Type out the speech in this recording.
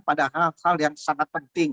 pada hal hal yang sangat penting